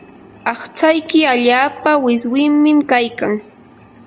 aqtsayki allaapa wiswimim kaykan.